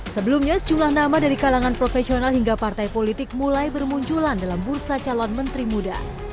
sebelumnya sejumlah nama dari kalangan profesional hingga partai politik mulai bermunculan dalam bursa calon menteri muda